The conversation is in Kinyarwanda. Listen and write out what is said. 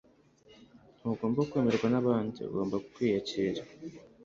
ntugomba kwemerwa nabandi. ugomba kwiyakira